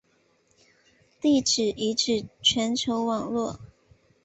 地质遗址全球网络。